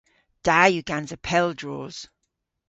Da yw gansa pel droos.